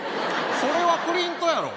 それはプリントやろ。